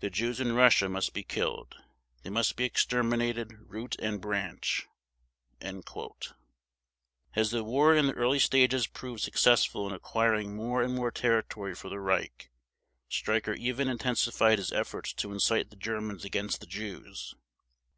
The Jews in Russia must be killed. They must be exterminated root and branch." As the war in the early stages proved successful in acquiring more and more territory for the Reich, Streicher even intensified his efforts to incite the Germans against the Jews.